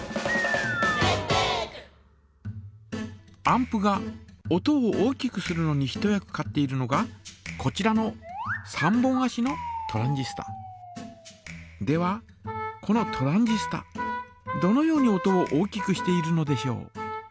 アンプが音を大きくするのに一役買っているのがこちらの３本あしのではこのトランジスタどのように音を大きくしているのでしょう。